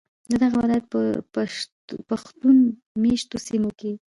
ددغه ولایت په پښتون میشتو سیمو کې